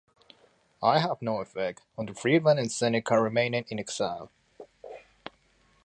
It had no effect on the freedman and Seneca remained in exile.